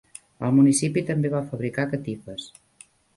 El municipi també va fabricar catifes.